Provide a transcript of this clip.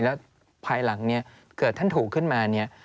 แล้วภายหลังเนี่ยเกิดท่านถูกขึ้นมาเนี่ย